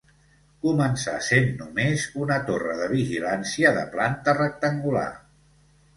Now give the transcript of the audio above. Començà sent només una torre de vigilància de planta rectangular.